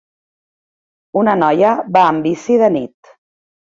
Una noia va en bici de nit